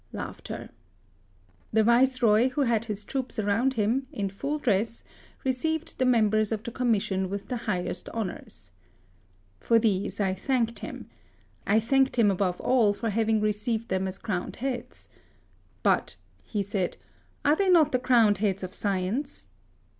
The Viceroy, who had his troops around him, in fuU dress, re ceived the members of the Commission with the highest honours. For these I thanked him. I thanked him above all for having received them as crowned heads. " But," he said, " are they not the crowned heads of science